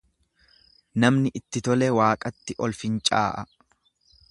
Namni itti tole Waaqatti ol fincaa'a.